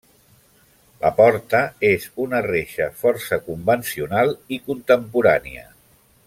La porta és una reixa força convencional i contemporània.